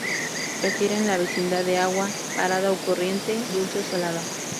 Prefieren la vecindad de agua, parada o corriente, dulce o salada.